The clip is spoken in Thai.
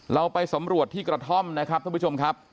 เราไปสำรวจที่กระท่อมนะครับท่านผู้ชมครับ